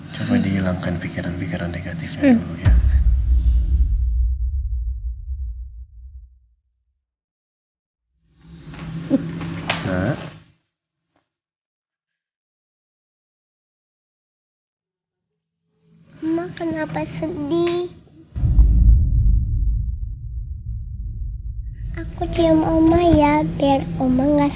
coba dihilangkan pikiran pikiran negatifnya dulu ya